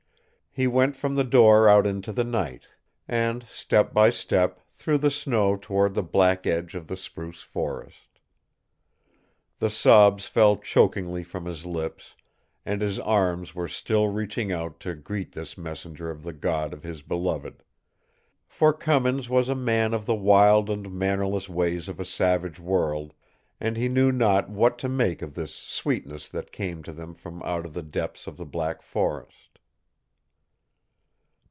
He went from the door out into the night, and, step by step, through the snow toward the black edge of the spruce forest. The sobs fell chokingly from his lips, and his arms were still reaching out to greet this messenger of the God of his beloved; for Cummins was a man of the wild and mannerless ways of a savage world, and he knew not what to make of this sweetness that came to them from out of the depths of the black forest.